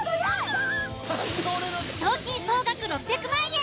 賞金総額６００万円！